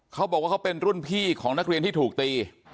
เขาบอกว่าเขาเป็นรุ่นพี่ของนักเรียนที่ถูกตี